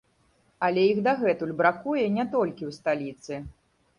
Але іх дагэтуль бракуе не толькі ў сталіцы.